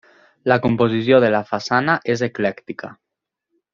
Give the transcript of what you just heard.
La composició de la façana és eclèctica.